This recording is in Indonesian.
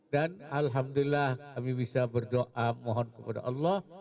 dan alhamdulillah kami bisa berdoa mohon kepada allah